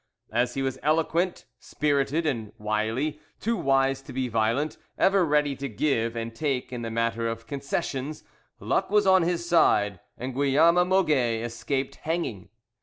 As he was eloquent, spirited, and wily, too wise to be violent, ever ready to give and take in the matter of concessions, luck was on his side, and Guillaume Moget escaped hanging.